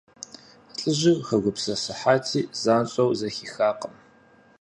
ЛӀыжьыр хэгупсысыхьати, занщӀэу зэхихакъым.